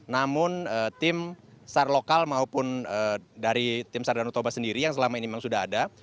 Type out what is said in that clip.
namun timsar lokal maupun dari timsar dan utoba sendiri yang selama ini memang sudah ada